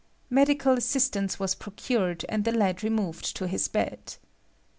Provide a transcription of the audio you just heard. Medical assistance was procured, and the lad removed to his bed.